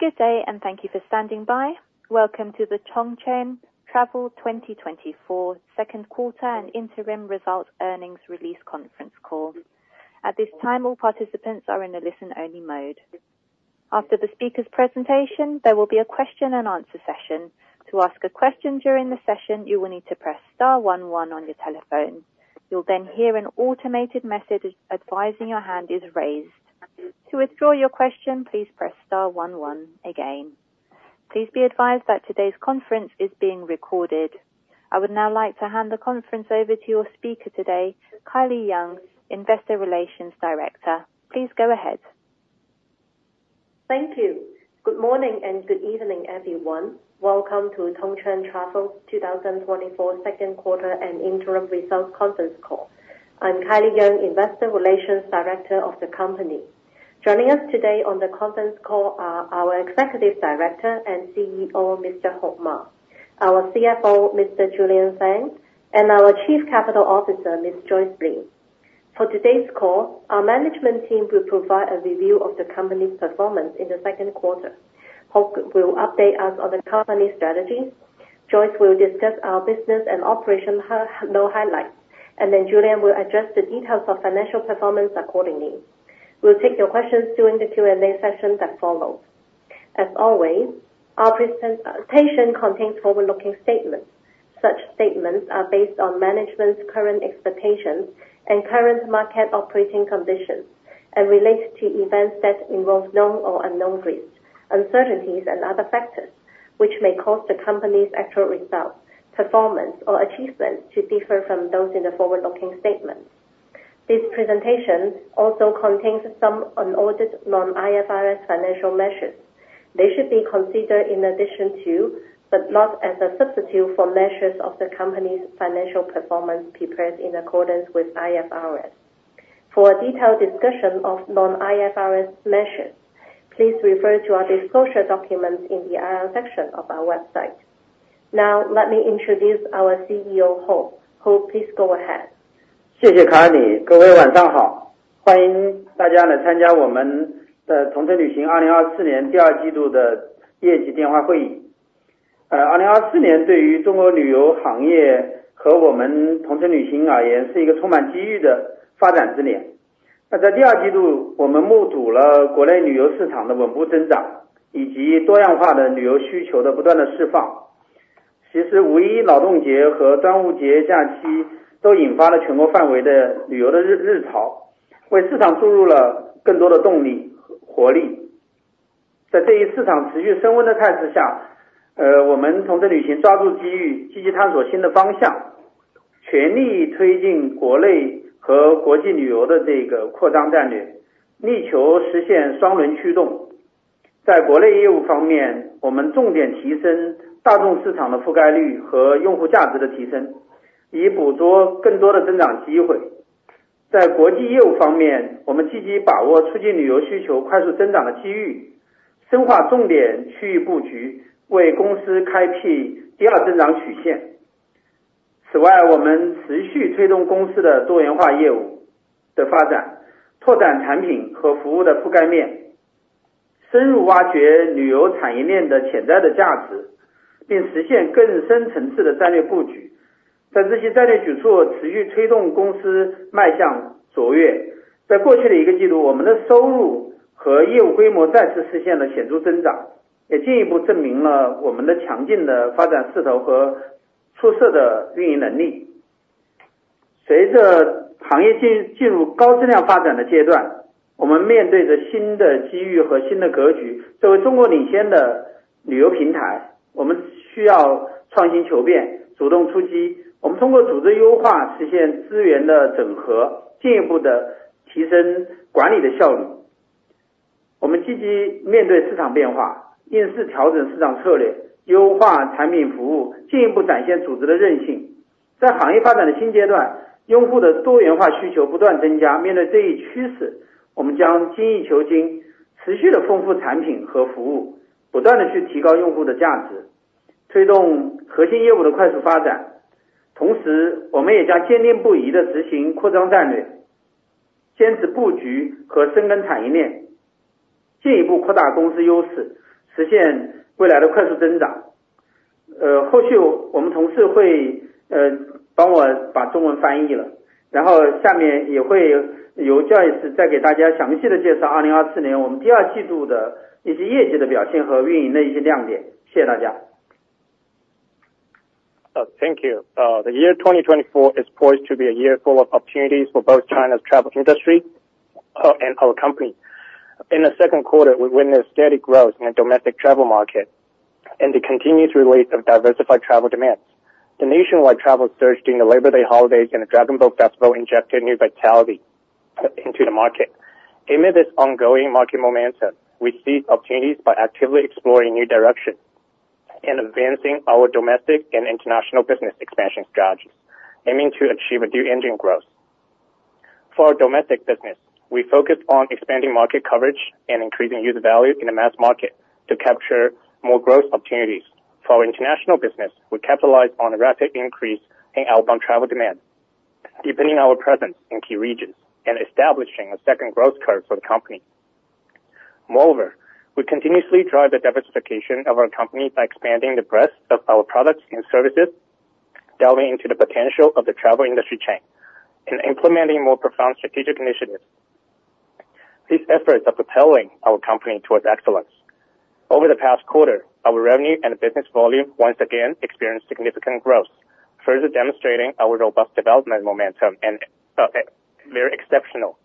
Good day, and thank you for standing by. Welcome to the Tongcheng Travel 2024 Q2 and interim results earnings release conference call. At this time, all participants are in a listen-only mode. After the speaker's presentation, there will be a Q&A session. To ask a question during the session, you will need to press star one one on your telephone. You'll then hear an automated message advising your hand is raised. To withdraw your question, please press star one one again. Please be advised that today's conference is being recorded. I would now like to hand the conference over to your speaker today, Kylie Yeung, Investor Relations Director. Please go ahead. Thank you. Good morning and good evening, everyone. Welcome to Tongcheng Travel 2024 Q2 and interim results conference call. I'm Kylie Yeung, Investor Relations Director of the company. Joining us today on the conference call are our Executive Director and CEO, Mr. Heping Ma, our CFO, Mr. Fan Lei, and our Chief Capital Officer, Ms. Joyce Li. For today's call, our management team will provide a review of the company's performance in the Q2. Ma Heping will update us on the company's strategy, Joyce Li will discuss our business and operational high-level highlights, and then Fan Lei will address the details of financial performance accordingly. We'll take your questions during the Q&A session that follows. As always, our presentation contains forward-looking statements. Such statements are based on management's current expectations and current market operating conditions and relate to events that involve known or unknown risks, uncertainties, and other factors, which may cause the company's actual results, performance, or achievements to differ from those in the forward-looking statement. This presentation also contains some unaudited non-IFRS financial measures. They should be considered in addition to, but not as a substitute for, measures of the company's financial performance prepared in accordance with IFRS. For a detailed discussion of non-IFRS measures, please refer to our disclosure documents in the IR section of our website. Now, let me introduce our CEO, Ma Heping. Ma Heping, please go ahead. Thank you. The year 2024 is poised to be a year full of opportunities for both China's travel industry and our company. In the Q2, we witnessed steady growth in the domestic travel market and the continued release of diversified travel demands. The nationwide travel surge during the Labor Day holidays and the Dragon Boat Festival injected new vitality into the market. Amid this ongoing market momentum, we seized opportunities by actively exploring new directions and advancing our domestic and international business expansion strategies, aiming to achieve a new engine growth. For our domestic business, we focused on expanding market coverage and increasing user value in the mass market to capture more growth opportunities. For our international business, we capitalized on the rapid increase in outbound travel demand, deepening our presence in key regions and establishing a second growth curve for the company. Moreover, we continuously drive the diversification of our company by expanding the breadth of our products and services, delving into the potential of the travel industry chain, and implementing more profound strategic initiatives. These efforts are propelling our company towards excellence. Over the past quarter, our revenue and business volume once again experienced significant growth, further demonstrating our robust development momentum and very exceptional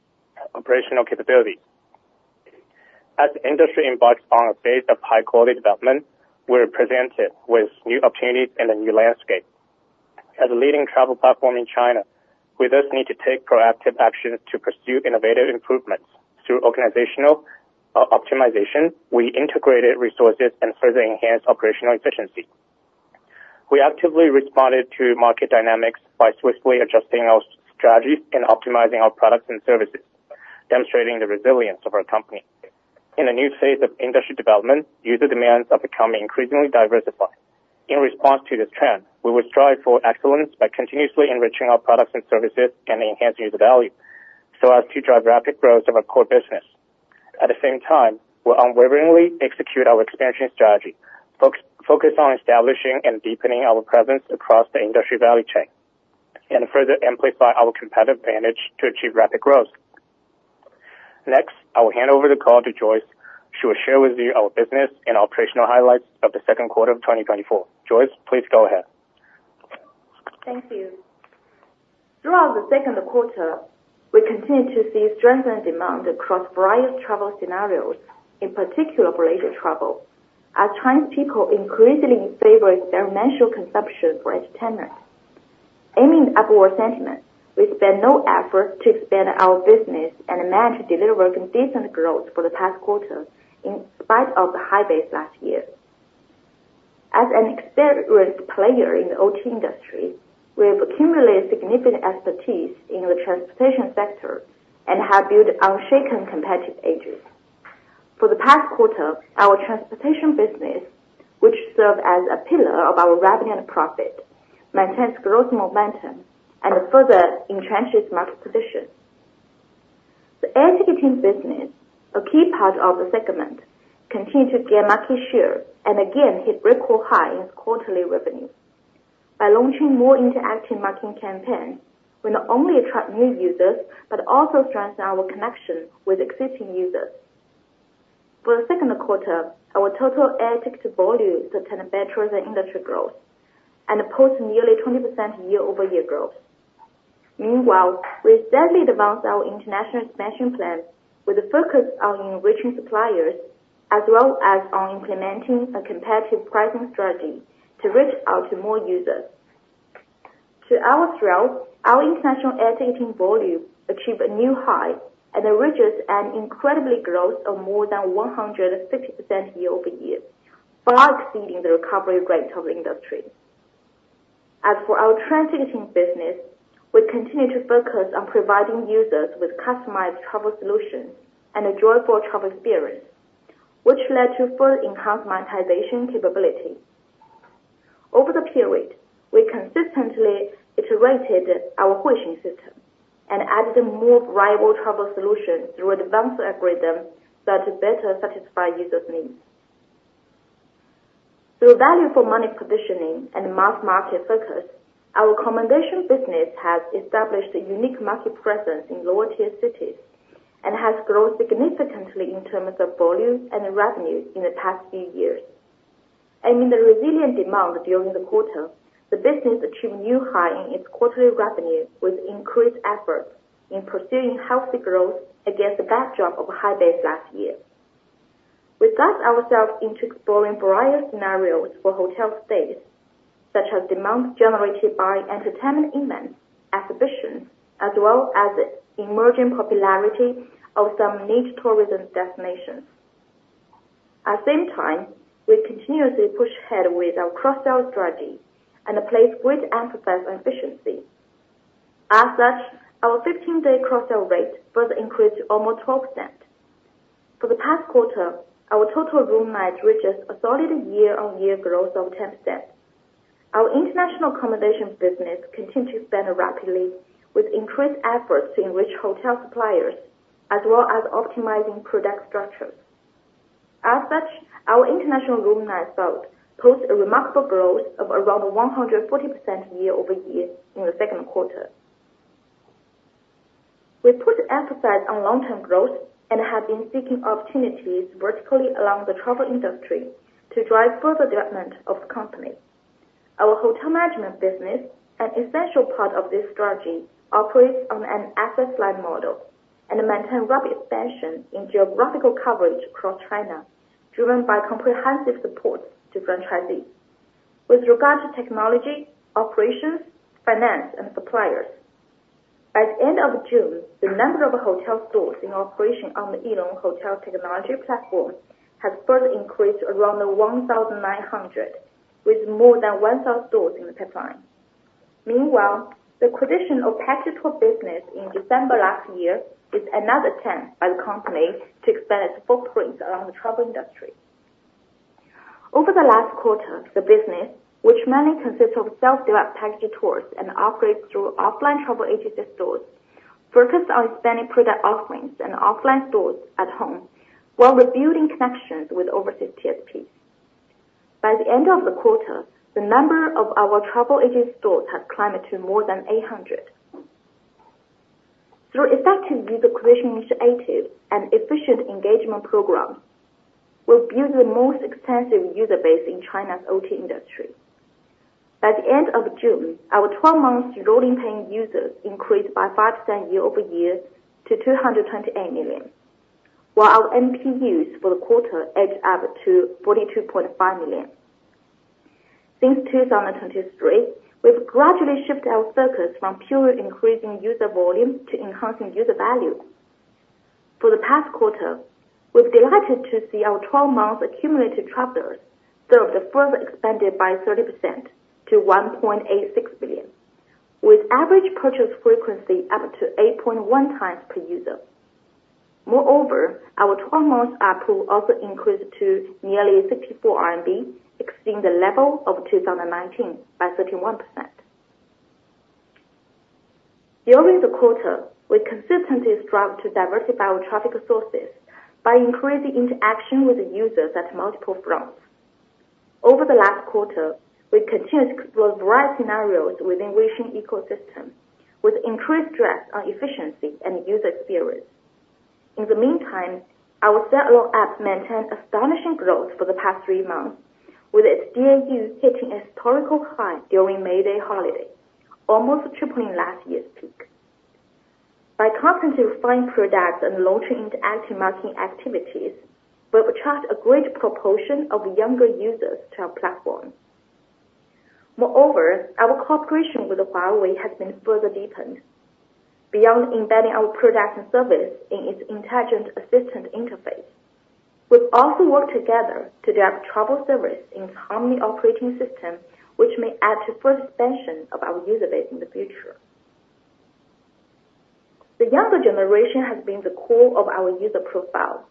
operational capabilities. As the industry embarks on a phase of high quality development, we're presented with new opportunities and a new landscape. As a leading travel platform in China, we thus need to take proactive actions to pursue innovative improvements. Through organizational optimization, we integrated resources and further enhanced operational efficiency. We actively responded to market dynamics by swiftly adjusting our strategies and optimizing our products and services, demonstrating the resilience of our company. In a new phase of industry development, user demands are becoming increasingly diversified. In response to this trend, we will strive for excellence by continuously enriching our products and services and enhancing user value, so as to drive rapid growth of our core business. At the same time, we'll unwaveringly execute our expansion strategy, focus on establishing and deepening our presence across the industry value chain, and further amplify our competitive advantage to achieve rapid growth. Next, I will hand over the call to Joyce Li. She will share with you our business and operational highlights of the Q2 of 2024. Joyce Li, please go ahead. Thank you. Throughout the Q2, we continued to see strengthened demand across various travel scenarios, in particular for leisure travel, as Chinese people increasingly favor premium consumption for entertainment. Amid upward sentiment, we spare no effort to expand our business and manage to deliver a decent growth for the past quarter, in spite of the high base last year. As an experienced player in the OTA industry, we have accumulated significant expertise in the transportation sector and have built unshakable competitive edges. For the past quarter, our transportation business, which serve as a pillar of our revenue and profit, maintains growth momentum and further entrenches market position. The air ticketing business, a key part of the segment, continued to gain market share and again hit record high in its quarterly revenue. By launching more interactive marketing campaigns, we not only attract new users, but also strengthen our connection with existing users. For the Q2, our total air ticket volume sustained better than industry growth and posted nearly 20% year-over-year growth. Meanwhile, we steadily advanced our international expansion plans with a focus on enriching suppliers, as well as on implementing a competitive pricing strategy to reach out to more users. To our thrill, our international air ticketing volume achieved a new high, and it reaches an incredible growth of more than 150% year-over-year, far exceeding the recovery rate of the industry. As for our train ticketing business, we continue to focus on providing users with customized travel solutions and a joyful travel experience, which led to further enhanced monetization capability. Over the period, we consistently iterated our Huixing system and added more viable travel solutions through advanced algorithms that better satisfy users' needs. Through value for money positioning and mass market focus, our accommodation business has established a unique market presence in lower tier cities, and has grown significantly in terms of volume and revenue in the past few years. Amid the resilient demand during the quarter, the business achieved a new high in its quarterly revenue, with increased efforts in pursuing healthy growth against the backdrop of high base last year. We got ourselves into exploring various scenarios for hotel stays, such as demand generated by entertainment events, exhibitions, as well as emerging popularity of some niche tourism destinations. At the same time, we continuously push ahead with our cross-sell strategy and place great emphasis on efficiency. As such, our 15-day cross-sell rate further increased to almost 12%. For the past quarter, our total room nights reaches a solid year-on-year growth of 10%. Our international accommodation business continued to expand rapidly with increased efforts to enrich hotel suppliers, as well as optimizing product structures. As such, our international room night growth posts a remarkable growth of around 140% year-over-year in the Q2. We put emphasis on long-term growth and have been seeking opportunities vertically along the travel industry to drive further development of the company. Our hotel management business, an essential part of this strategy, operates on an asset-light model and maintain rapid expansion in geographical coverage across China, driven by comprehensive support to franchisees. With regard to technology, operations, finance, and suppliers, at the end of June, the number of hotel stores in operation on the Elong Hotel Technology platform has further increased around 1900, with more than one thousand stores in the pipeline. Meanwhile, the acquisition of Elong Hotel business in December last year is another attempt by the company to expand its footprint along the travel industry. Over the last quarter, the business, which mainly consists of self-developed package tours and operates through offline travel agency stores, focused on expanding product offerings and offline stores at home, while rebuilding connections with overseas TSPs. By the end of the quarter, the number of our travel agency stores had climbed to more than 800. Through effective user creation initiatives and efficient engagement programs, we've built the most extensive user base in China's OTA industry. At the end of June, our 12 month rolling paying users increased by 5% year-over-year to 228 million, while our MPUs for the quarter added up to 42.5 million. Since 2023, we've gradually shifted our focus from purely increasing user volume to enhancing user value. For the past quarter, we're delighted to see our 12 month accumulated travelers served further expanded by 30% to 1.86 billion, with average purchase frequency up to 8.1 x per user. Moreover, our 12 month ARPU also increased to nearly 54 RMB, exceeding the level of 2019 by 31%. During the quarter, we consistently strive to diversify our traffic sources by increasing interaction with the users at multiple fronts. Over the last quarter, we continued to explore various scenarios within Weixin ecosystem, with increased stress on efficiency and user experience. In the meantime, our standalone app maintained astonishing growth for the past three months, with its DAUs hitting a historical high during May Day holiday, almost tripling last year's peak. By constantly refining products and launching interactive marketing activities, we've attracted a great proportion of younger users to our platform. Moreover, our cooperation with Huawei has been further deepened. Beyond embedding our product and service in its intelligent assistant interface, we've also worked together to develop travel service in HarmonyOS, which may add to further expansion of our user base in the future. The younger generation has been the core of our user profile,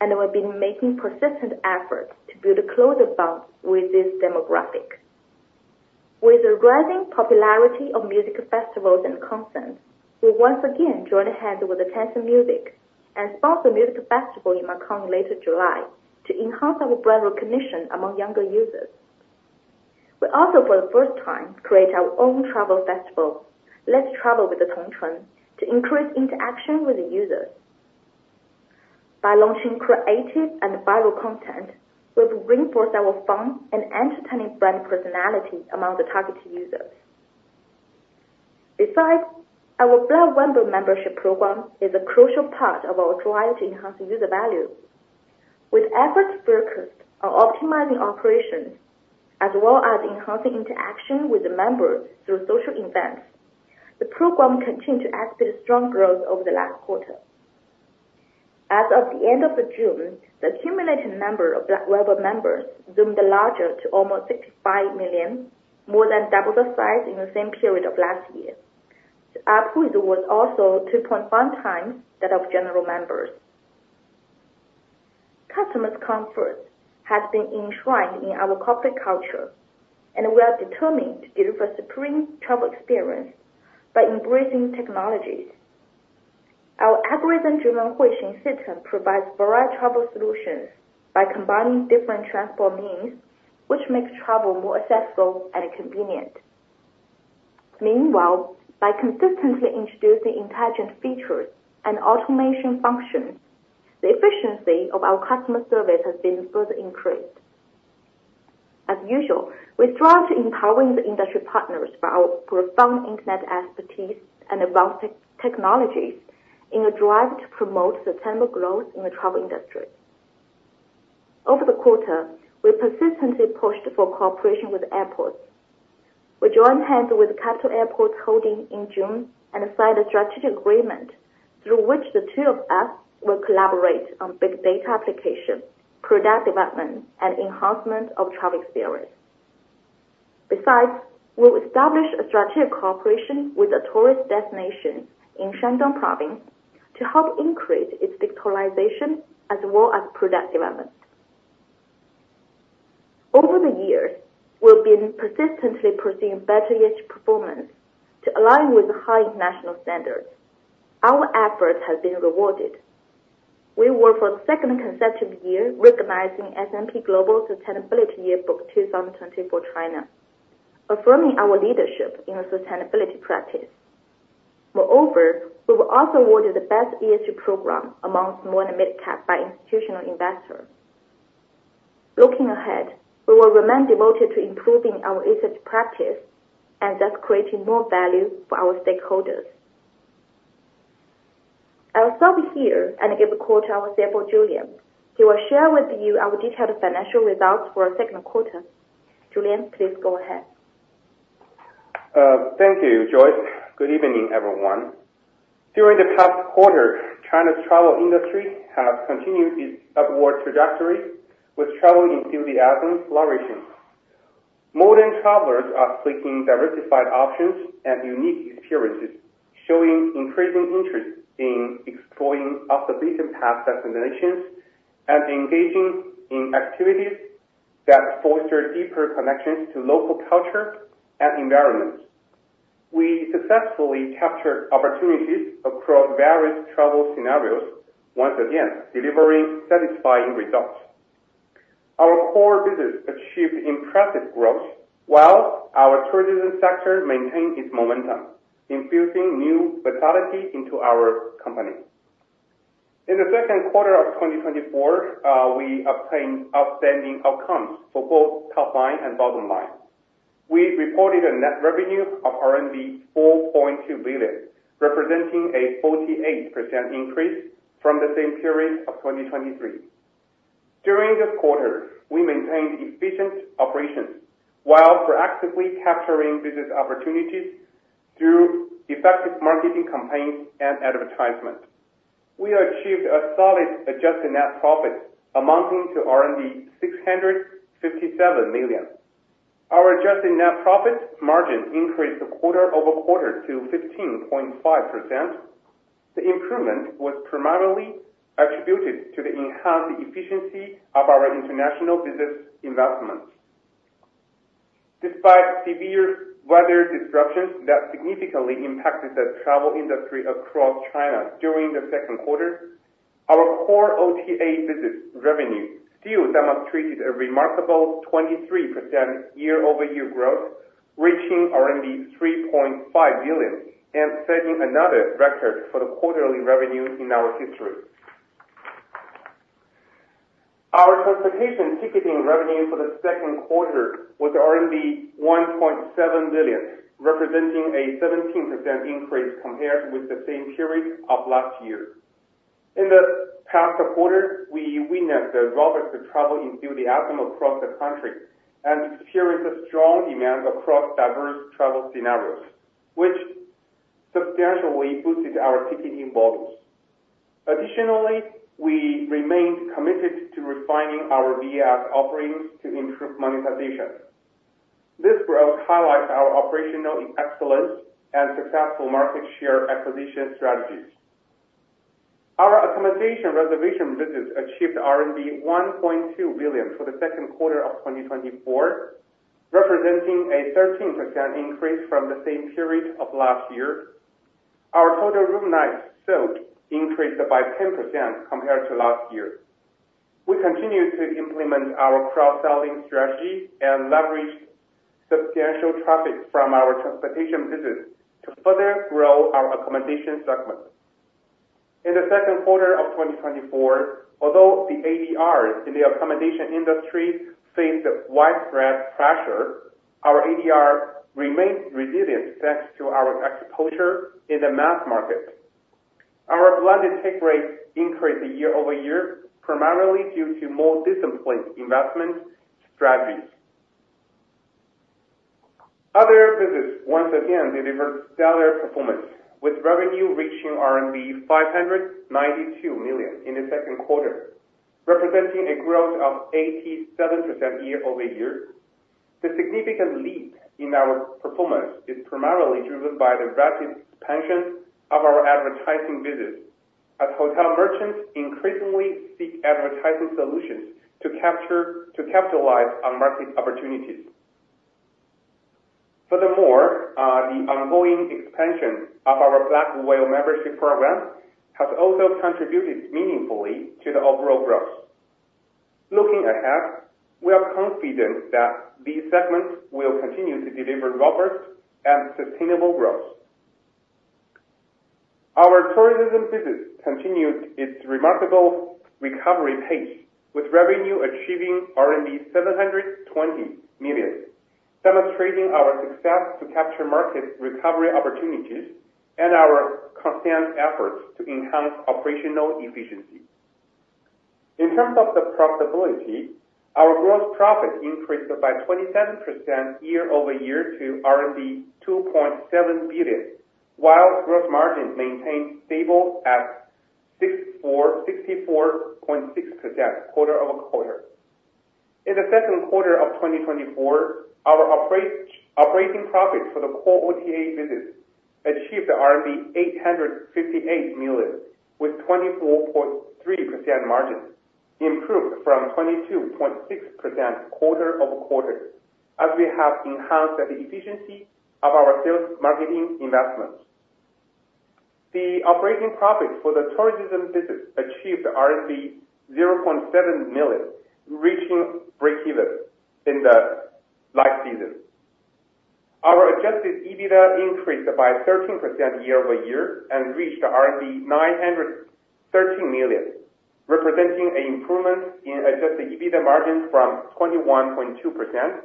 and we've been making persistent efforts to build a closer bond with this demographic. With the rising popularity of music festivals and concerts, we once again joined hands with Tencent Music and sponsored a music festival in Macau in late July to enhance our brand recognition among younger users. We also, for the first time, created our own travel festival, Let's Travel with Tongcheng, to increase interaction with the users. By launching creative and viral content, we've reinforced our fun and entertaining brand personality among the targeted users. Besides, our Black Whale membership program is a crucial part of our drive to enhance user value. With efforts focused on optimizing operations, as well as enhancing interaction with the members through social events, the program continued to exhibit strong growth over the last quarter. As of the end of June, the cumulative number of Black Whale members zoomed larger to almost 65 million, more than double the size in the same period of last year. The ARPU was also 2.1x that of general members. Customer comfort has been enshrined in our corporate culture, and we are determined to deliver a supreme travel experience by embracing technologies. Our algorithm-driven Huixing system provides varied travel solutions by combining different transport means, which makes travel more accessible and convenient. Meanwhile, by consistently introducing intelligent features and automation functions, the efficiency of our customer service has been further increased. As usual, we strive to empower industry partners by our profound internet expertise and advanced technologies in a drive to promote sustainable growth in the travel industry. Over the quarter, we persistently pushed for cooperation with airports. We joined hands with Capital Airports Holding in June and signed a strategic agreement through which the two of us will collaborate on big data application, product development, and enhancement of travel experience. Besides, we've established a strategic cooperation with a tourist destination in Shandong Province to help increase its digitalization as well as product development. Over the years, we've been persistently pursuing better ESG performance to align with high international standards. Our efforts have been rewarded. We were, for the second consecutive year, recognized in S&P Global Sustainability Yearbook 2024 China, affirming our leadership in the sustainability practice. Moreover, we were also awarded the Best ESG Program among small and mid-cap by Institutional Investor. Looking ahead, we will remain devoted to improving our ESG practice and thus creating more value for our stakeholders. I'll stop here and give the call to our CFO, Fan Lei. He will share with you our detailed financial results for the Q2. Fan Lei, please go ahead. Thank you, Joyce Li. Good evening, everyone. During the past quarter, China's travel industry has continued its upward trajectory, with travel enthusiasm flourishing. Modern travelers are seeking diversified options and unique experiences, showing increasing interest in exploring off-the-beaten-path destinations and engaging in activities that foster deeper connections to local culture and environment. We successfully captured opportunities across various travel scenarios, once again, delivering satisfying results. Our core business achieved impressive growth, while our tourism sector maintained its momentum, infusing new vitality into our company. In the Q2 of 2024, we obtained outstanding outcomes for both top line and bottom line. We reported a net revenue of RMB 4.2 billion, representing a 48% increase from the same period of 2023. During this quarter, we maintained efficient operations while proactively capturing business opportunities through effective marketing campaigns and advertisement. We achieved a solid adjusted net profit amounting to 657 million. Our adjusted net profit margin increased quarter-over-quarter to 15.5%. The improvement was primarily attributed to the enhanced efficiency of our international business investments. Despite severe weather disruptions that significantly impacted the travel industry across China during the Q2, our core OTA business revenue still demonstrated a remarkable 23% year-over-year growth, reaching 3.5 billion, and setting another record for the quarterly revenue in our history. Our transportation ticketing revenue for the Q2 was RMB 1.7 billion, representing a 17% increase compared with the same period of last year. In the past quarter, we witnessed a robust travel enthusiasm across the country and experienced a strong demand across diverse travel scenarios, which substantially boosted our ticketing volumes. Additionally, we remained committed to refining our VAS offerings to improve monetization. This growth highlights our operational excellence and successful market share acquisition strategies. Our accommodation reservation business achieved 1.2 billion for the Q2 of 2024, representing a 13% increase from the same period of last year. Our total room nights sold increased by 10% compared to last year. We continue to implement our cross-selling strategy and leverage substantial traffic from our transportation business to further grow our accommodation segment. In the Q2 of 2024, although the ADRs in the accommodation industry faced widespread pressure, our ADR remained resilient, thanks to our exposure in the mass market. Our blended take rate increased year-over-year, primarily due to more disciplined investment strategies. Other business once again delivered stellar performance, with revenue reaching RMB 592 million in the Q2, representing a growth of 87% year-over-year. The significant leap in our performance is primarily driven by the rapid expansion of our advertising business, as hotel merchants increasingly seek advertising solutions to capture- to capitalize on market opportunities. Furthermore, the ongoing expansion of our Black Whale membership program has also contributed meaningfully to the overall growth. Looking ahead, we are confident that these segments will continue to deliver robust and sustainable growth. Our tourism business continued its remarkable recovery pace, with revenue achieving RMB 720 million, demonstrating our success to capture market recovery opportunities and our constant efforts to enhance operational efficiency. In terms of the profitability, our gross profit increased by 27% year-over-year to 2.7 billion, while gross margin maintained stable at 64.6% quarter-over-quarter. In the Q2 of 2024, our operating profit for the core OTA business achieved RMB 858 million, with 24.3% margin, improved from 22.6% quarter-over-quarter, as we have enhanced the efficiency of our sales marketing investments. The operating profit for the tourism business achieved RMB 0.7 million, reaching breakeven in the last season. Our Adjusted EBITDA increased by 13% year-over-year and reached RMB 913 million, representing an improvement in Adjusted EBITDA margin from 21.2%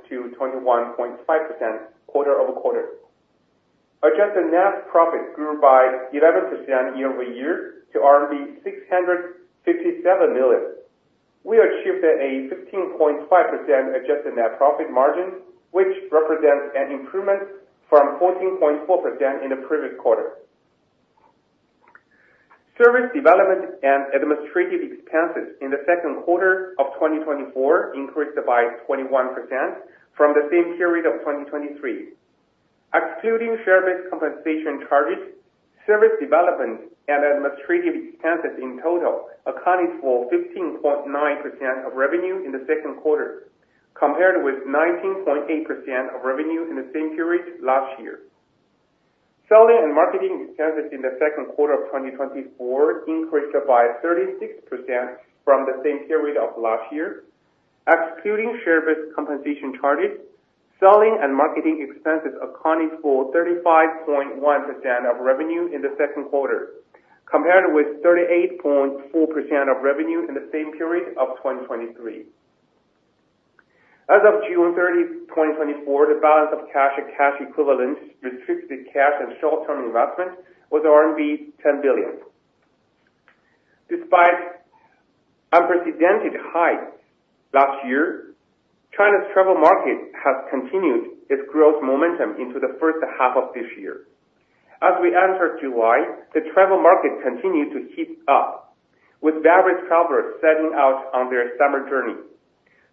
to 21.5% quarter-over-quarter. Adjusted net profit grew by 11% year-over-year to RMB 657 million. We achieved a 15.5% Adjusted net profit margin, which represents an improvement from 14.4% in the previous quarter. Service development and administrative expenses in the Q2 of 2024 increased by 21% from the same period of 2023. Excluding share-based compensation charges, service development and administrative expenses in total accounted for 15.9% of revenue in the Q2, compared with 19.8% of revenue in the same period last year. Selling and marketing expenses in the Q2 of 2024 increased by 36% from the same period of last year. Excluding share-based compensation charges, selling and marketing expenses accounted for 35.1% of revenue in the Q2, compared with 38.4% of revenue in the same period of 2023. As of June 30th, 2024, the balance of cash and cash equivalents, restricted cash and short-term investments was RMB 10 billion. Despite unprecedented highs last year, China's travel market has continued its growth momentum into the first-half of this year. As we enter July, the travel market continued to heat up, with various travelers setting out on their summer journey.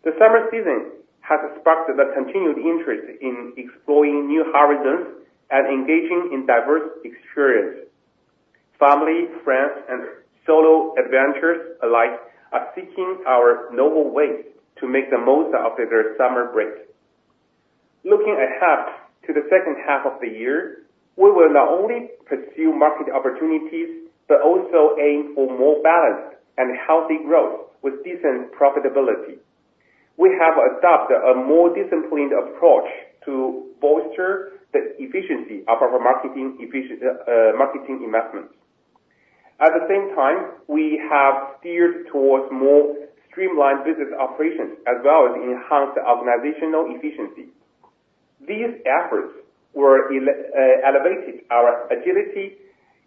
The summer season has sparked a continued interest in exploring new horizons and engaging in diverse experiences. Family, friends, and solo adventurers alike are seeking novel ways to make the most out of their summer break. Looking ahead to the second-half of the year, we will not only pursue market opportunities, but also aim for more balanced and healthy growth with decent profitability. We have adopted a more disciplined approach to bolster the efficiency of our marketing investments. At the same time, we have steered towards more streamlined business operations, as well as enhanced organizational efficiency. These efforts elevated our agility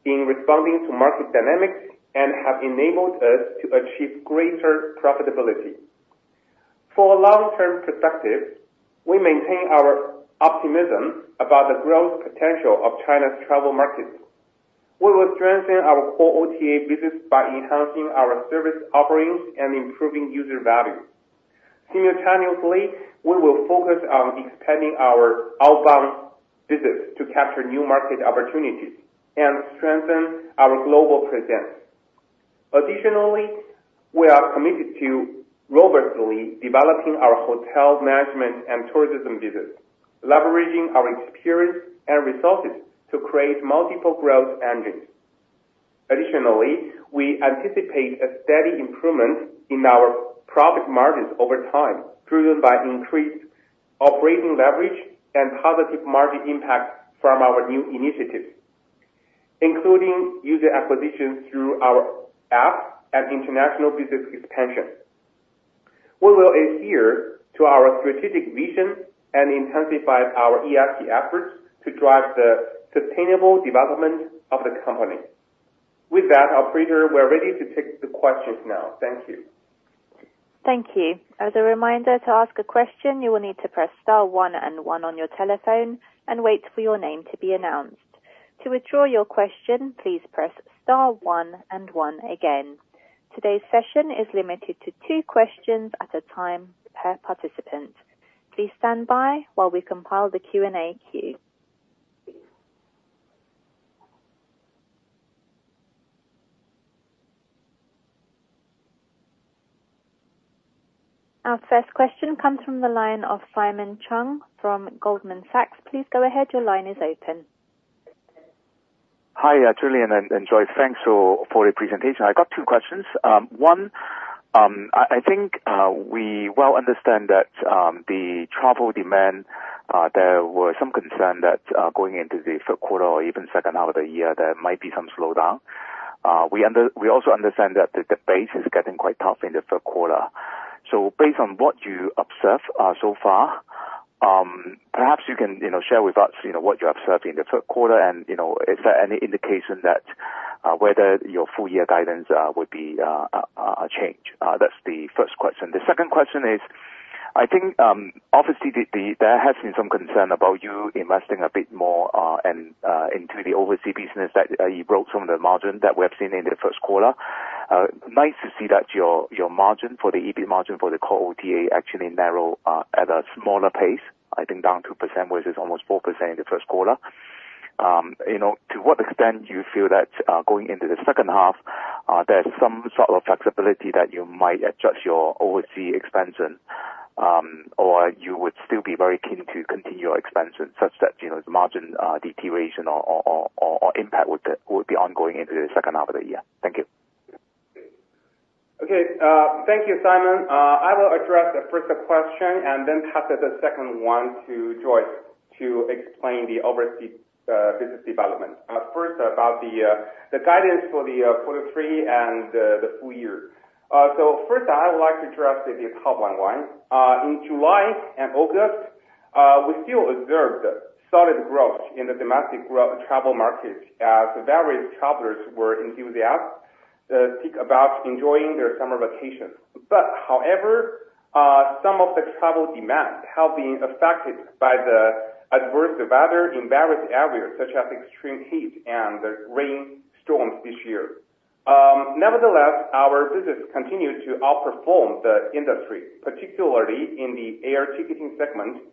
in responding to market dynamics and have enabled us to achieve greater profitability. For long-term perspective, we maintain our optimism about the growth potential of China's travel market. We will strengthen our core OTA business by enhancing our service offerings and improving user value. Simultaneously, we will focus on expanding our outbound business to capture new market opportunities and strengthen our global presence. Additionally, we are committed to robustly developing our hotel management and tourism business, leveraging our experience and resources to create multiple growth engines. Additionally, we anticipate a steady improvement in our profit margins over time, driven by increased operating leverage and positive margin impact from our new initiatives, including user acquisitions through our apps and international business expansion. We will adhere to our strategic vision and intensify our ESG efforts to drive the sustainable development of the company. With that, operator, we're ready to take the questions now. Thank you. Thank you. As a reminder, to ask a question, you will need to press star one and one on your telephone and wait for your name to be announced. To withdraw your question, please press star one and one again. Today's session is limited to two questions at a time per participant. Please stand by while we compile the Q&A queue. Our first question comes from the line of Simon Cheung from Goldman Sachs. Please go ahead. Your line is open. Hi, Fan Lei and Joyce Li. Thanks for the presentation. I got two questions. One, I think we well understand that the travel demand there were some concern that going into the Q3 or even second-half of the year, there might be some slowdown. We also understand that the base is getting quite tough in the Q3. So based on what you observe so far, perhaps you can you know share with us you know what you're observing in the Q3, and you know is there any indication that whether your full year guidance would be changed? That's the first question. The second question is, I think, obviously the, there has been some concern about you investing a bit more, and, into the overseas business, that, you broke some of the margin that we have seen in the Q1. Nice to see that your margin for the, EBIT margin for the core OTA actually narrow, at a smaller pace, I think down 2%, which is almost 4% in the Q1. You know, to what extent do you feel that, going into the second-half, there's some sort of flexibility that you might adjust your overseas expansion, or you would still be very keen to continue your expansion, such that, you know, the margin, deterioration or impact would be ongoing into the second half of the year? Thank you. Okay, thank you, Simon Cheung. I will address the first question and then pass the second one to Joyce Li to explain the overseas business development. First, about the guidance for the Q3 and the full year. So first, I would like to address the top line one. In July and August, we still observed solid growth in the domestic travel market, as various travelers were enthusiastic about enjoying their summer vacation. But however, some of the travel demand have been affected by the adverse weather in various areas, such as extreme heat and the rain storms this year. Nevertheless, our business continued to outperform the industry, particularly in the air ticketing segment,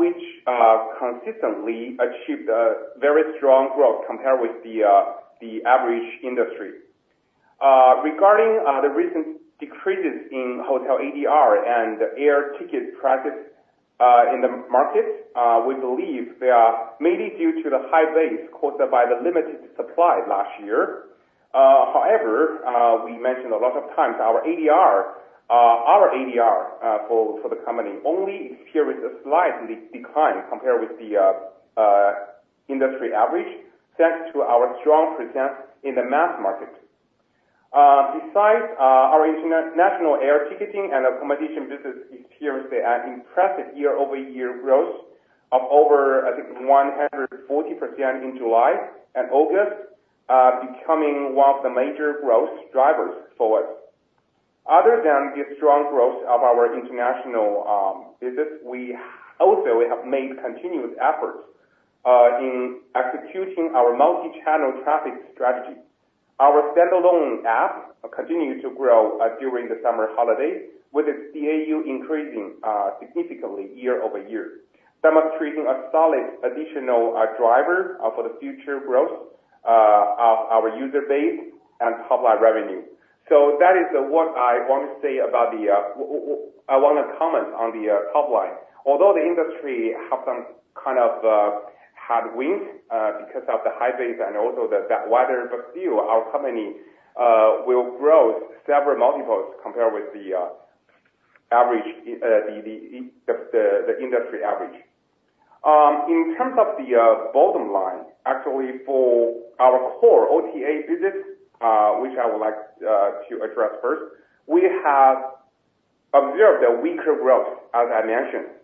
which consistently achieved a very strong growth compared with the average industry. Regarding the recent decreases in hotel ADR and air ticket prices in the market, we believe they are mainly due to the high base caused by the limited supply last year. However, we mentioned a lot of times our ADR for the company only experienced a slight decline compared with the industry average, thanks to our strong presence in the mass market. Besides, our international air ticketing and accommodation business experienced an impressive year-over-year growth of over, I think, 140% in July and August, becoming one of the major growth drivers for us. Other than the strong growth of our international business, we also have made continuous efforts in executing our multi-channel traffic strategy. Our standalone app continued to grow during the summer holiday, with its DAU increasing significantly year-over-year, demonstrating a solid additional driver for the future growth of our user base and top-line revenue. That is what I want to say about the top line. I want to comment on the top line. Although the industry have some kind of headwind because of the high base and also that weather, but still our company will grow several multiples compared with the average, the industry average. In terms of the bottom line, actually for our core OTA business, which I would like to address first, we have observed a weaker growth, as I mentioned,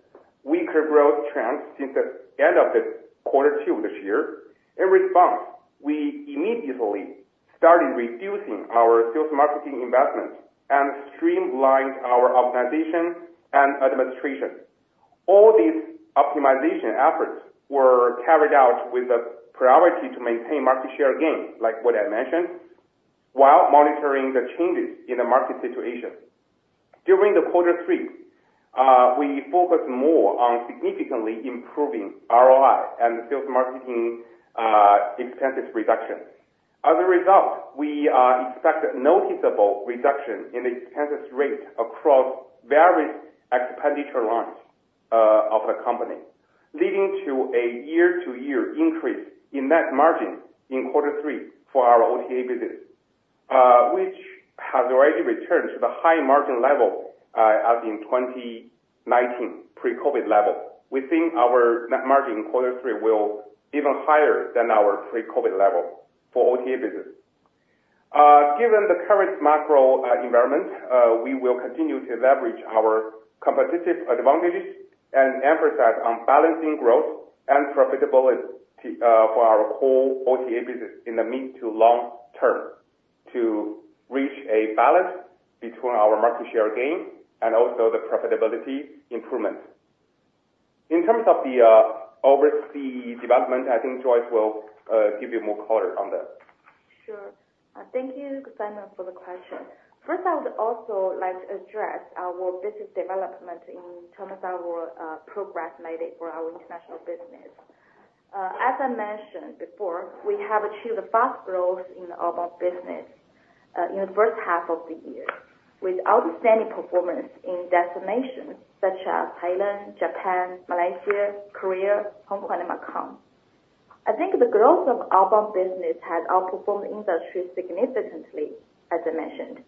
weaker growth trends since the end of the Q2 this year. In response, we immediately started reducing our sales marketing investment and streamlined our optimization and administration. All these optimization efforts were carried out with the priority to maintain market share gains, like what I mentioned, while monitoring the changes in the market situation. During the Q3, we focused more on significantly improving ROI and sales marketing, expenses reduction. As a result, we expect a noticeable reduction in the expenses rate across various expenditure lines, of the company, leading to a year-to-year increase in net margin in Q3 for our OTA business, which has already returned to the high margin level, as in 2019, pre-COVID level. We think our net margin in Q3 will even higher than our pre-COVID level for OTA business. Given the current macro environment, we will continue to leverage our competitive advantages and emphasize on balancing growth and profitability for our whole OTA business in the mid to long term, to reach a balance between our market share gain and also the profitability improvement. In terms of the overseas development, I think Joyce Li will give you more color on that. Sure. Thank you, Simon Cheung, for the question. First, I would also like to address our business development in terms of our progress made for our international business. As I mentioned before, we have achieved a fast growth in the outbound business in the first-half of the year, with outstanding performance in destinations such as Thailand, Japan, Malaysia, Korea, Hong Kong and Macau. I think the growth of outbound business has outperformed the industry significantly, as I mentioned.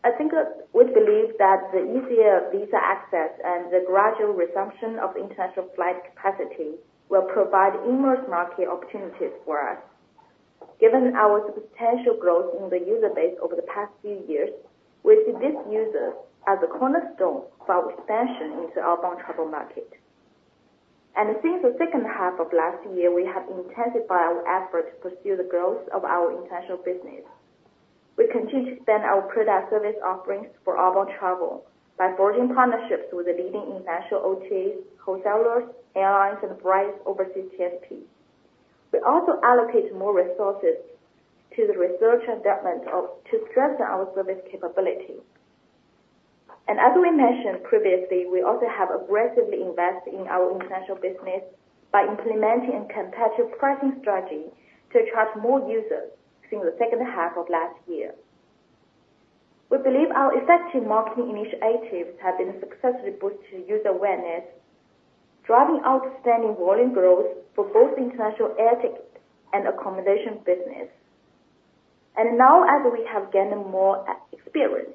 I think we believe that the easier visa access and the gradual resumption of international flight capacity will provide enormous market opportunities for us. Given our substantial growth in the user base over the past few years, we see this user as a cornerstone for our expansion into outbound travel market. Since the second-half of last year, we have intensified our efforts to pursue the growth of our international business. We continue to expand our product service offerings for outbound travel by forging partnerships with the leading international OTAs, wholesalers, airlines, and various overseas TSPs. We also allocate more resources to the research and development to strengthen our service capability. As we mentioned previously, we also have aggressively invested in our international business by implementing a competitive pricing strategy to attract more users since the second-half of last year. We believe our effective marketing initiatives have been successfully boosted user awareness, driving outstanding volume growth for both international air ticket and accommodation business. Now, as we have gained more experience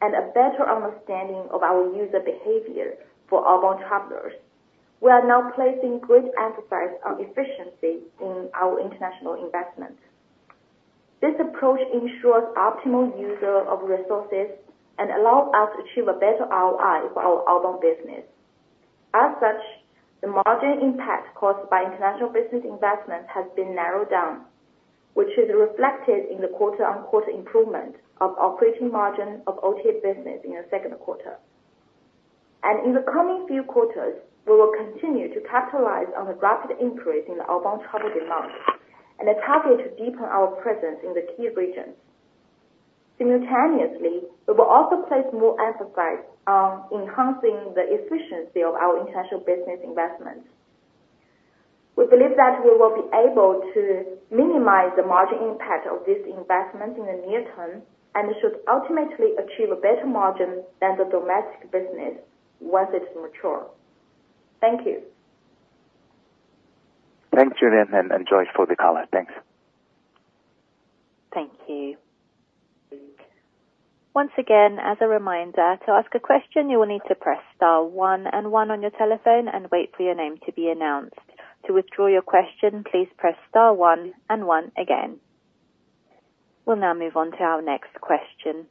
and a better understanding of our user behavior for outbound travelers, we are now placing great emphasis on efficiency in our international investments. This approach ensures optimal use of resources and allows us to achieve a better ROI for our outbound business. As such, the margin impact caused by international business investment has been narrowed down, which is reflected in the quarter-on-quarter improvement of operating margin of OTA business in the Q2, and in the coming few quarters, we will continue to capitalize on the rapid increase in the outbound travel demand and the target to deepen our presence in the key regions. Simultaneously, we will also place more emphasis on enhancing the efficiency of our international business investments. We believe that we will be able to minimize the margin impact of this investment in the near term and should ultimately achieve a better margin than the domestic business once it's mature. Thank you. Thanks, Fan Lei and Joyce Li, for the call-in. Thanks. Thank you. Once again, as a reminder, to ask a question, you will need to press star one and one on your telephone and wait for your name to be announced. To withdraw your question, please press star one and one again. We'll now move on to our next question.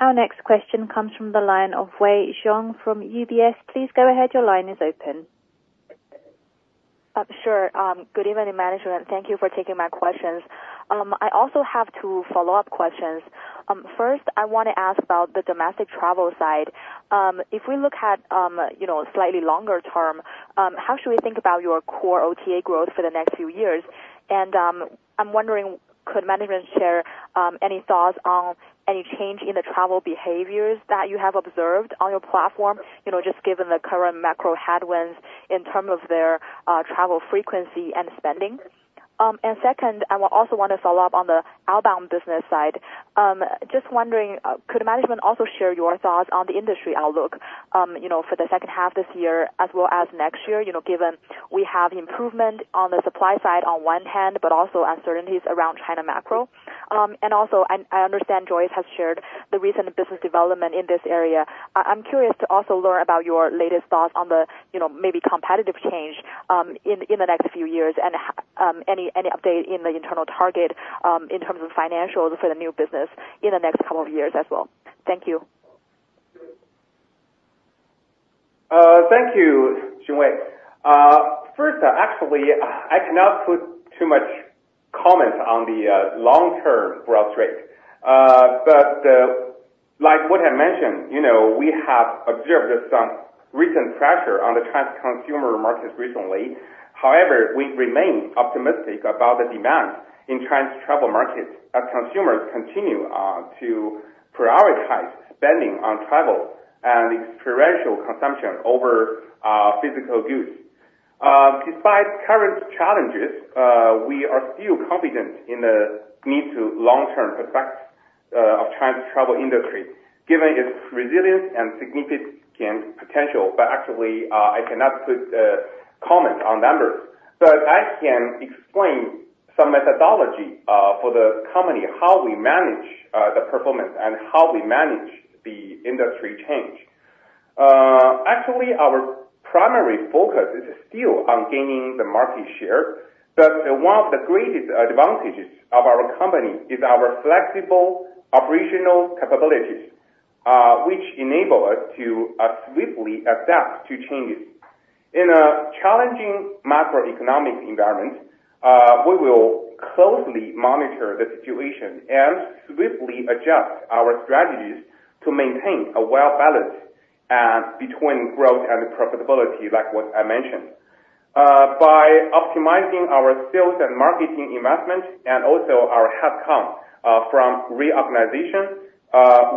Our next question comes from the line of Wei Xiong from UBS. Please go ahead. Your line is open. Sure. Good evening, management. Thank you for taking my questions. I also have two follow-up questions. First, I wanna ask about the domestic travel side. If we look at, you know, slightly longer-term, how should we think about your core OTA growth for the next few years? And, I'm wondering, could management share any thoughts on any change in the travel behaviors that you have observed on your platform? You know, just given the current macro headwinds in terms of their travel frequency and spending. And second, I will also want to follow up on the outbound business side. Just wondering, could management also share your thoughts on the industry outlook, you know, for the second half this year as well as next year? You know, given we have improvement on the supply side on one hand, but also uncertainties around China macro. Also, I understand Joyce Li has shared the recent business development in this area. I'm curious to also learn about your latest thoughts on the, you know, maybe competitive change in the next few years and any update in the internal target in terms of financials for the new business in the next couple of years as well. Thank you. Thank you, Wei Xiong. First, actually, I cannot put too much comment on the long-term growth rate. But like what I mentioned, you know, we have observed some recent pressure on the consumer markets recently. However, we remain optimistic about the demand in travel markets as consumers continue to prioritize spending on travel and experiential consumption over physical goods. Despite current challenges, we are still confident in the long-term prospects of travel industry, given its resilience and significant potential. But actually, I cannot put comment on numbers, but I can explain some methodology for the company, how we manage the performance and how we manage the industry change. Actually, our primary focus is still on gaining the market share, but one of the greatest advantages of our company is our flexible operational capabilities, which enable us to swiftly adapt to changes. In a challenging macroeconomic environment, we will closely monitor the situation and swiftly adjust our strategies to maintain a well balance between growth and profitability, like what I mentioned. By optimizing our sales and marketing investments and also our head count from reorganization,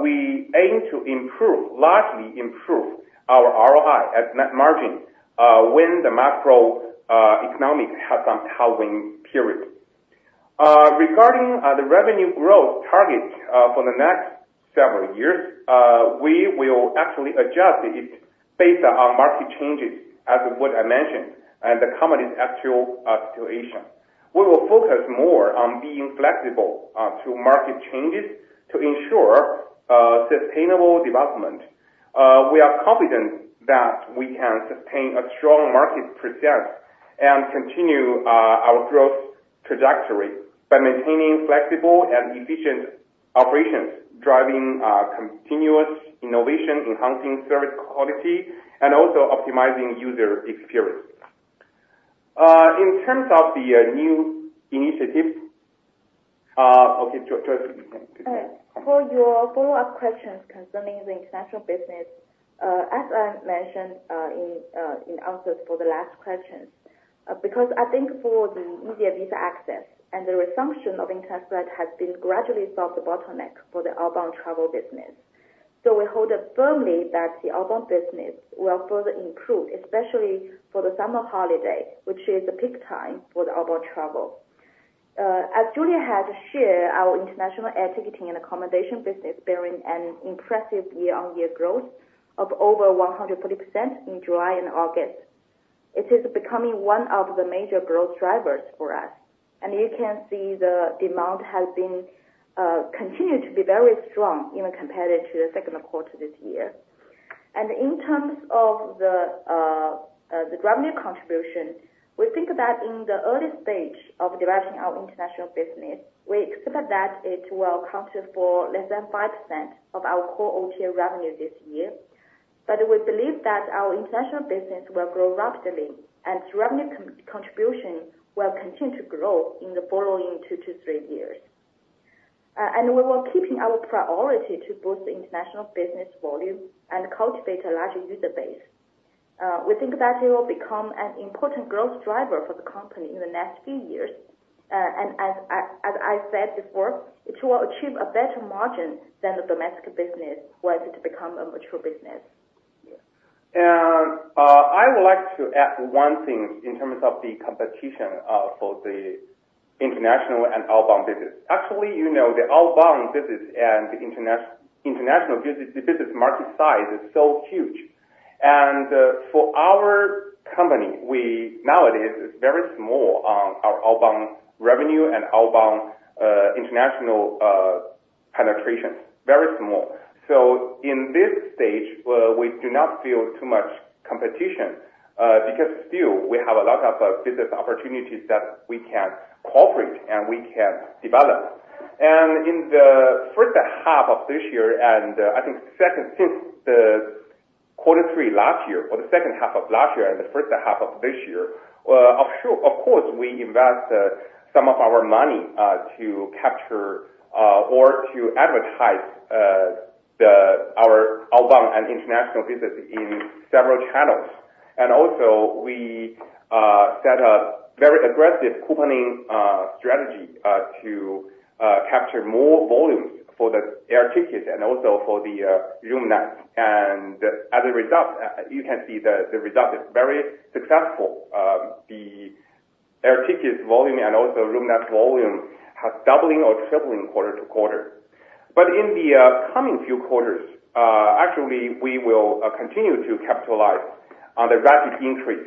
we aim to improve, largely improve our ROI and net margin when the macroeconomic has some bouncing period. Regarding the revenue growth targets for the next several years, we will actually adjust it based on market changes as what I mentioned, and the company's actual situation. We will focus more on being flexible to market changes to ensure sustainable development. We are confident that we can sustain a strong market presence and continue our growth trajectory by maintaining flexible and efficient operations, driving continuous innovation, enhancing service quality, and also optimizing user experience. In terms of the new initiative... Okay, Joyce Li? For your follow-up questions concerning the international business, as I mentioned, in answers for the last questions, because I think for the easier visa access and the resumption of international has been gradually solved the bottleneck for the outbound travel business. We hold it firmly that the outbound business will further improve, especially for the summer holiday, which is the peak time for the outbound travel. As Fan Lei had shared, our international air ticketing and accommodation business bearing an impressive year-on-year growth of over 140% in July and August. It is becoming one of the major growth drivers for us, and you can see the demand has been continued to be very strong even compared to the Q2 this year. And in terms of the revenue contribution, we think that in the early stage of developing our international business, we expect that it will account for less than 5% of our core OTA revenue this year. But we believe that our international business will grow rapidly, and its revenue contribution will continue to grow in the following two to three years. And we were keeping our priority to boost the international business volume and cultivate a larger user base. We think that it will become an important growth driver for the company in the next few years. And as I said before, it will achieve a better margin than the domestic business once it become a mature business. Yeah. I would like to add one thing in terms of the competition for the international and outbound business. Actually, you know, the outbound business and the international business, the business market size is so huge. For our company, we nowadays, it's very small on our outbound revenue and outbound, international, penetration, very small. In this stage, we do not feel too much competition, because still we have a lot of business opportunities that we can cooperate and we can develop. And in the first-half of this year, and I think second, since Q3 last year, or the second-half of last year, and the first-half of this year, of course we invest some of our money to capture or to advertise our outbound and international business in several channels. And also we set a very aggressive couponing strategy to capture more volumes for the air ticket and also for the room nights. And as a result you can see the result is very successful. The air ticket volume and also room night volume has doubling or tripling quarter-to-quarter. But in the coming few quarters, actually, we will continue to capitalize on the rapid increase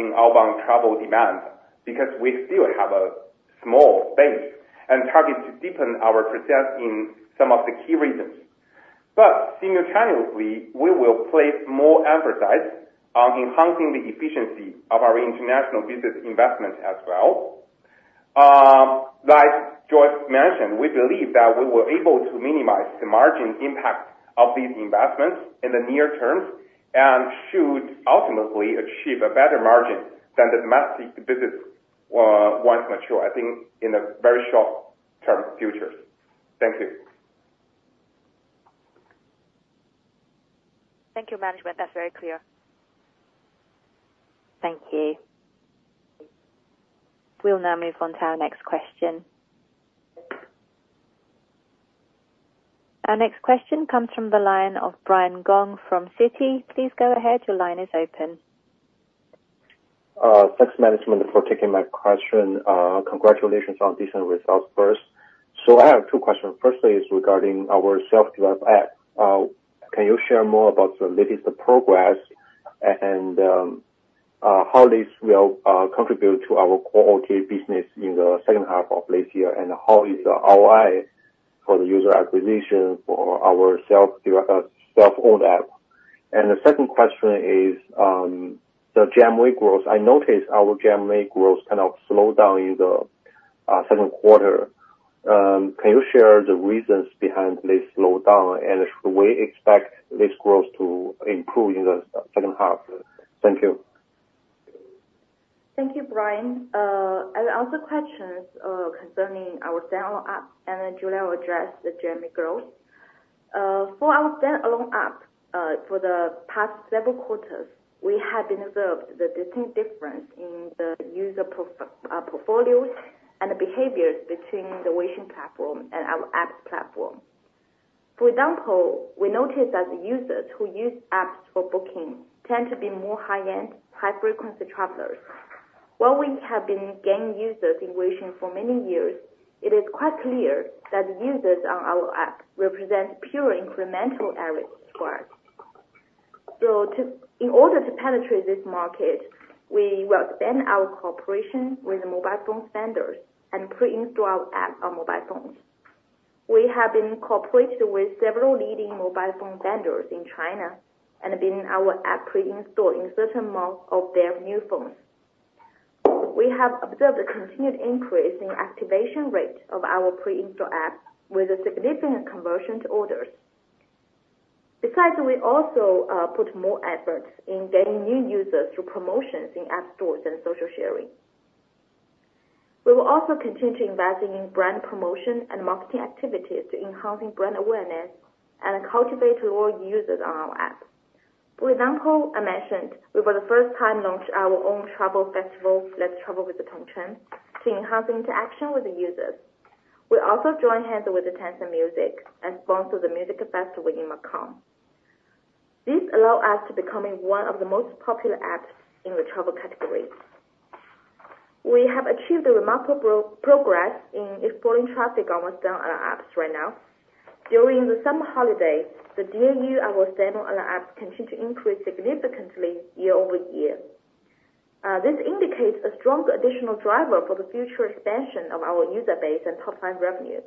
in outbound travel demand because we still have a small base and target to deepen our presence in some of the key regions. But simultaneously, we will place more emphasis on enhancing the efficiency of our international business investment as well. Like Joyce Li mentioned, we believe that we were able to minimize the margin impact of these investments in the near term, and should ultimately achieve a better margin than the domestic business, once mature, I think, in the very short term future. Thank you. Thank you, management. That's very clear. Thank you. We'll now move on to our next question. Our next question comes from the line of Brian Gong from Citi. Please go ahead. Your line is open. Thanks, management, for taking my question. Congratulations on decent results first. So I have two questions. Firstly, is regarding our self-developed app. Can you share more about the latest progress, and how this will contribute to our OTA business in the second half of this year? And how is the ROI for the user acquisition for our self-developed, self-owned app? And the second question is, the GMV growth. I noticed our GMV growth kind of slowed down in the Q2. Can you share the reasons behind this slowdown, and should we expect this growth to improve in the second half? Thank you. Thank you, Brian Gong. I'll answer the questions concerning our stand-alone app, and then Fan Lei will address the GMV growth. For our stand-alone app, for the past several quarters, we have observed the distinct difference in the user portfolios and the behaviors between the Weixin platform and our app's platform. For example, we noticed that the users who use apps for booking tend to be more high-end, high-frequency travelers. While we have been gaining users in Weixin for many years, it is quite clear that users on our app represent pure incremental areas for us. In order to penetrate this market, we will expand our cooperation with mobile phone vendors and pre-install our app on mobile phones. We have been cooperated with several leading mobile phone vendors in China and been our app pre-installed in certain models of their new phones. We have observed a continued increase in activation rate of our pre-installed app, with a significant conversion to orders. Besides, we also put more efforts in getting new users through promotions in app stores and social sharing. We will also continue to investing in brand promotion and marketing activities to enhancing brand awareness and cultivate loyal users on our app. For example, I mentioned we, for the first time, launched our own travel festival, Let's Travel with Tongcheng, to enhance interaction with the users. We also joined hands with the Tencent Music and sponsored the music festival in Macau. This allow us to becoming one of the most popular apps in the travel category. We have achieved a remarkable progress in exploring traffic on what's done on our apps right now. During the summer holiday, the DAU, our stand-alone app, continued to increase significantly year-over-year. This indicates a strong additional driver for the future expansion of our user base and top line revenue.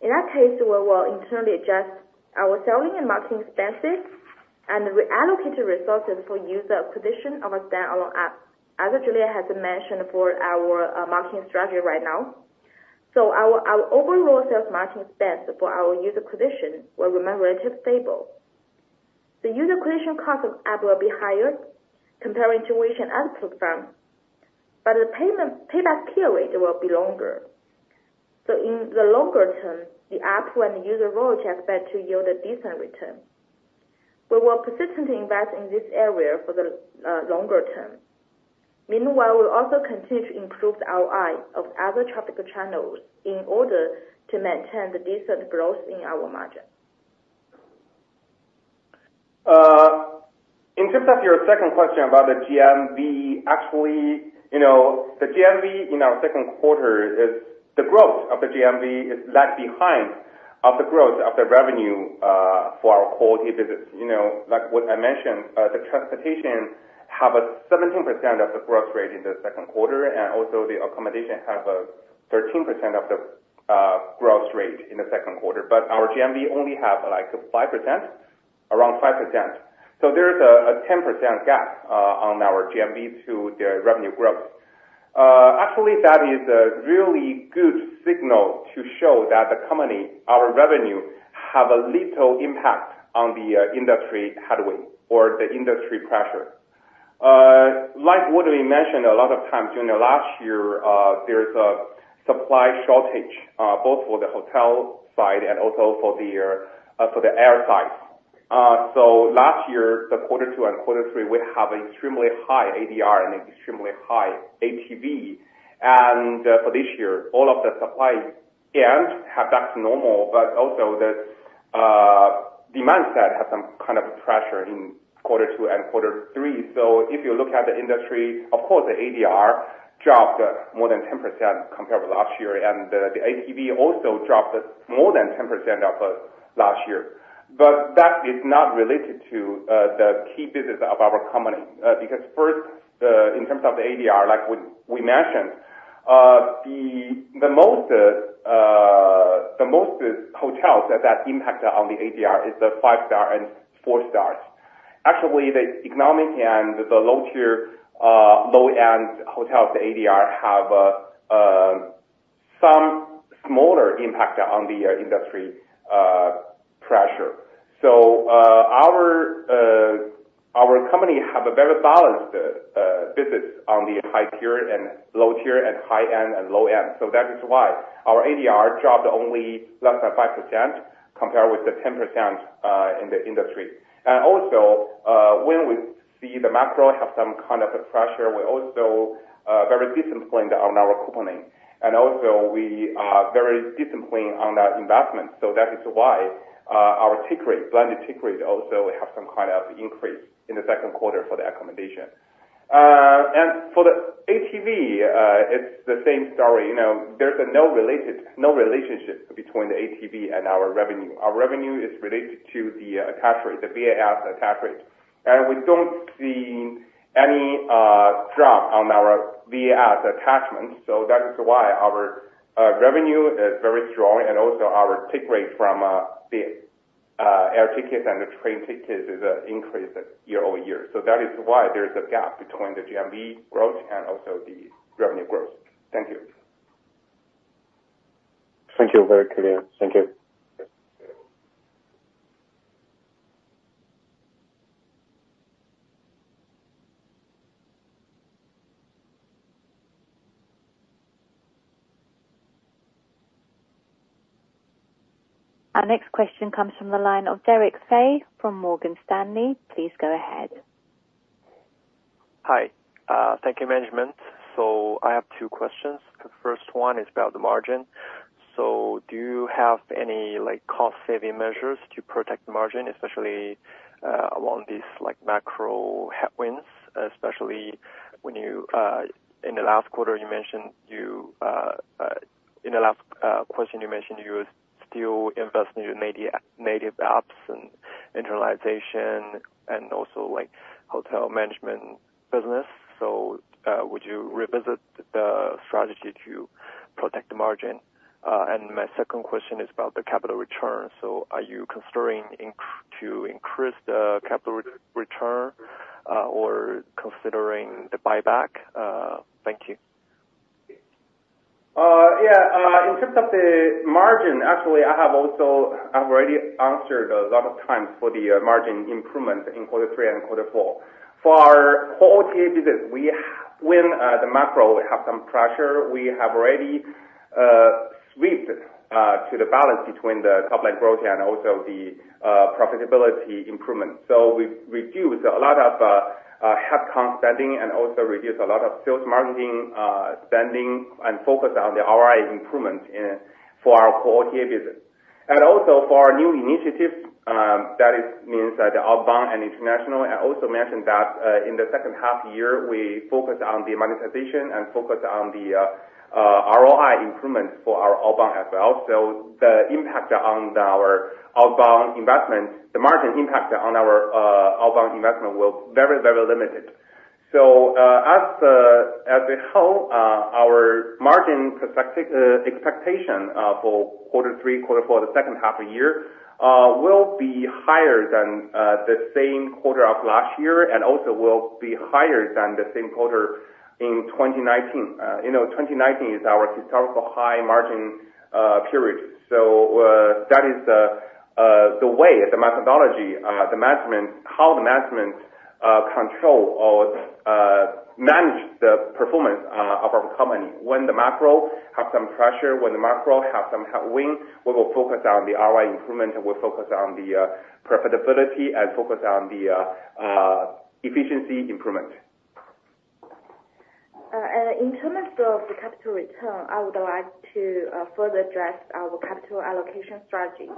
In that case, we will internally adjust our sales and marketing expenses, and reallocate the resources for user acquisition of our stand-alone app. As Fan Lei has mentioned for our marketing strategy right now, so our overall sales marketing spend for our user acquisition will remain relatively stable. The user acquisition cost of app will be higher comparing to Weixin app program, but the payback period will be longer. So in the longer term, the app and the user growth are expected to yield a decent return. We will persistently invest in this area for the longer term. Meanwhile, we'll also continue to improve the ROI of other topical channels in order to maintain the decent growth in our margin. In terms of your second question about the GMV, actually, you know, the GMV in our Q2 is, the growth of the GMV is lag behind of the growth of the revenue, for our core business. You know, like what I mentioned, the transportation have a 17% of the growth rate in the Q2, and also the accommodation have a 13% of the, growth rate in the Q2. But our GMV only have, like, 5%, around 5%. So there is a, a 10% gap, on our GMV to the revenue growth. Actually, that is a really good signal to show that the company, our revenue, have a little impact on the, industry headwind or the industry pressure. Like what we mentioned a lot of times during the last year, there's a supply shortage, both for the hotel side and also for the air side. So last year, the Q2 and Q3, we have extremely high ADR and extremely high APV, and for this year, all of the supply and have back to normal, but also the demand side has some kind of pressure in Q2 and Q3. So if you look at the industry, of course, the ADR dropped more than 10% compared with last year, and the APV also dropped more than 10% of last year. But that is not related to the key business of our company, because first, in terms of the ADR, like we mentioned, the most hotels that impact on the ADR is the five star and four stars. Actually, the economic and the low-tier, low-end hotels, the ADR have some smaller impact on the industry pressure. So our company have a very balanced business on the high-tier and low-tier, and high-end and low-end. So that is why our ADR dropped only less than 5% compared with the 10% in the industry. And also, when we see the macro have some kind of a pressure, we're also very disciplined on our couponing, and also we are very disciplined on our investment. So that is why our take rate, blended take rate also have some kind of increase in the Q2 for the accommodation. And for the APV, it's the same story. You know, there's no relation, no relationship between the APV and our revenue. Our revenue is related to the attach rate, the VAS attach rate. And we don't see any drop on our VAS attachments, so that is why our revenue is very strong, and also our take rate from the air tickets and the train tickets is increased year-over-year. So that is why there is a gap between the GMV growth and also the revenue growth. Thank you. Thank you. Very clear. Thank you. Our next question comes from the line of Fei Teng from Morgan Stanley. Please go ahead. Hi. Thank you, management. So I have two questions. The first one is about the margin. So do you have any, like, cost-saving measures to protect the margin, especially along these, like, macro headwinds, especially when in the last question you mentioned you still invest in your native apps and internationalization and also, like, hotel management business. So would you revisit the strategy to protect the margin? And my second question is about the capital return. So are you considering to increase the capital return or considering the buyback? Thank you. Yeah, in terms of the margin, actually, I have also, I've already answered a lot of times for the margin improvement in Q3 and Q4. For our core business, when the macro have some pressure, we have already switched to the balance between the top line growth and also the profitability improvement. So we reduced a lot of headcount spending and also reduced a lot of sales marketing spending and focused on the ROI improvement for our core business. And also for our new initiatives, that is means the outbound and international. I also mentioned that in the second half year, we focused on the monetization and focused on the ROI improvements for our outbound as well. So the impact on our outbound investment, the margin impact on our outbound investment was very, very limited. As a whole, our margin expectation for Q3, Q4, the second half of the year, will be higher than the same quarter of last year, and also will be higher than the same quarter in 2019. You know, 2019 is our historical high margin period. That is the way, the methodology, the management, how the management control or manage the performance of our company. When the macro have some pressure, when the macro have some headwind, we will focus on the ROI improvement, and we'll focus on the profitability and focus on the efficiency improvement. And in terms of the capital return, I would like to further address our capital allocation strategy.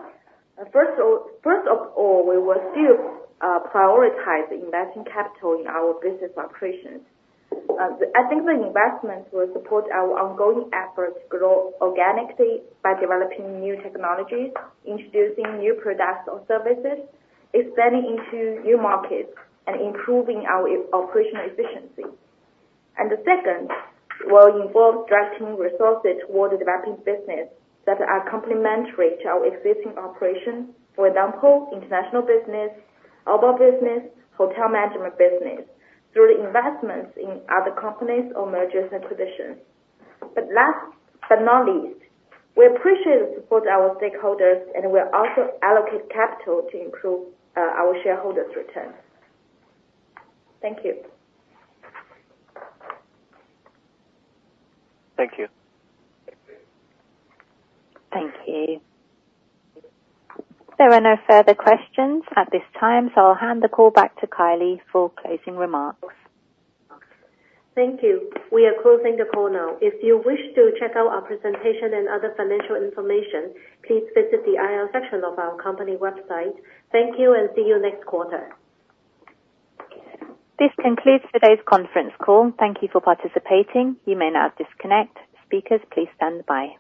First of all, we will still prioritize investing capital in our business operations. The investments will support our ongoing efforts to grow organically by developing new technologies, introducing new products or services, expanding into new markets, and improving our operational efficiency. And the second will involve directing resources toward developing business that are complementary to our existing operations. For example, international business, urban business, hotel management business, through investments in other companies or mergers and acquisitions. But last but not least, we appreciate the support our stakeholders, and we'll also allocate capital to improve our shareholders' returns. Thank you. Thank you. Thank you. There are no further questions at this time, so I'll hand the call back to Kylie Yeung for closing remarks. Thank you. We are closing the call now. If you wish to check out our presentation and other financial information, please visit the IR section of our company website. Thank you, and see you next quarter. This concludes today's conference call. Thank you for participating. You may now disconnect. Speakers, please stand by.